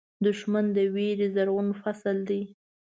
دښمن د وېرې زرغون فصل دی